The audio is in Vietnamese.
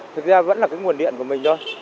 thực ra vẫn là cái nguồn điện của mình thôi